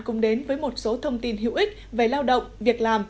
cùng đến với một số thông tin hữu ích về lao động việc làm